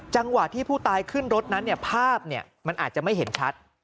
จังหวะที่ผู้ตายขึ้นรถนั้นภาพมันอาจจะไม่เห็นชัด